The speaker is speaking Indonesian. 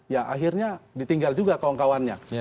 ya akhirnya ditinggal juga kawan kawannya